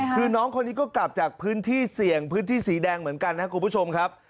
คือน้องคนนี้ก็กลับจากพื้นที่เสี่ยงพื้นที่สีแดงเหมือนกันนะครับคุณผู้ชมครับ